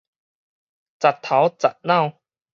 實頭實腦